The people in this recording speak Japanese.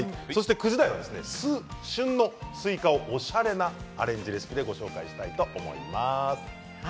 ９時台は旬のスイカをおしゃれなアレンジレシピでご紹介したいと思います。